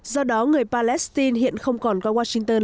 do đó người palestine hiện không còn qua washington